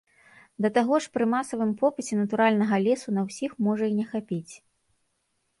Да таго ж пры масавым попыце натуральнага лесу на ўсіх можа і не хапіць.